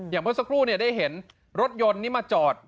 อย่างเมื่อสักครู่เนี่ยได้เห็นรถยนต์นี้มาจอด